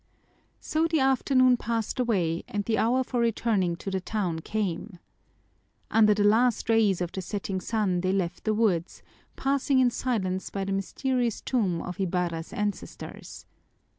So the afternoon passed away and the hour for returning to the town came. Under the last rays of the setting sun they left the woods, passing in silence by the mysterious tomb of Ibarra's ancestors.